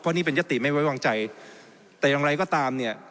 นี่เป็นยติไม่ไว้วางใจแต่อย่างไรก็ตามเนี่ย